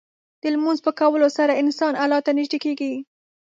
د لمونځ په کولو سره انسان الله ته نږدې کېږي.